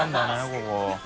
ここ。